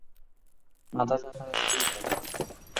মাথা ঝাঁকানি দিয়ে চলে গেল।